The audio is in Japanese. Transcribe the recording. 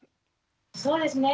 そうですね。